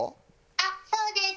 「あっそうです」